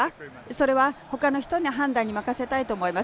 それは他の人の判断に任せたいと思います。